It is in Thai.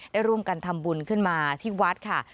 ได้ร่วมกันทำบุญขึ้นมาที่วัดค่ะ